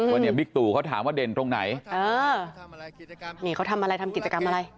ว่าเนี่ยบิ๊กตู่เขาถามว่าเด่นตรงไหนเออนี่เขาทำอะไรทำกิจกรรมอะไร